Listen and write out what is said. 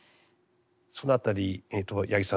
そのあたり八木さん